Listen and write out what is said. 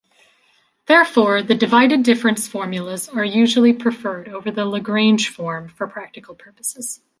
Therefore the divided-difference formulas are usually preferred over the Lagrange form for practical purposes.